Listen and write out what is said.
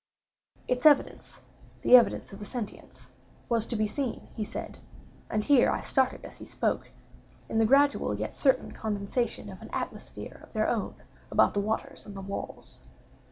Its evidence—the evidence of the sentience—was to be seen, he said, (and I here started as he spoke,) in the gradual yet certain condensation of an atmosphere of their own about the waters and the walls.